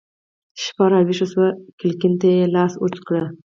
شپه راویښه شوه کړکۍ ته يې لاس اوږد کړ